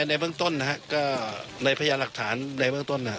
ในเบื้องต้นนะฮะก็ในพยานหลักฐานในเบื้องต้น